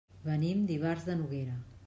Venim d'Ivars de Noguera.